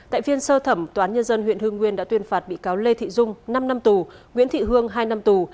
tại phiên sơ thẩm tòa án nhân dân huyện hưng nguyên đã tuyên phạt bị cáo lê thị dung năm năm tù nguyễn thị hương hai năm tù